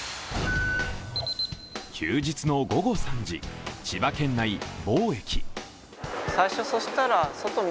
休日の午後３時、千葉県内、某駅。